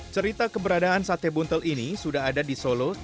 cerita keberadaan sate buntel ini sudah ada di solo